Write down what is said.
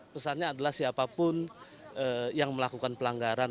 pesannya adalah siapapun yang melakukan pelanggaran